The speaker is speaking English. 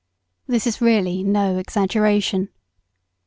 This is really no exaggeration.